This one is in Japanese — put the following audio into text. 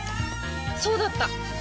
そうだった！